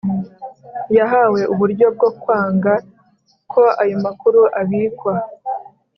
Yahawe uburyo bwo kwanga ko ayo makuru abikwa